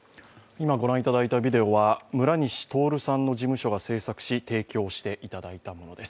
今、ご覧いただいたビデオ、村西とおるさんの事務所が製作し、提供していただいたものです。